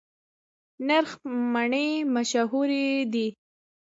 نرخ مڼې مشهورې دي؟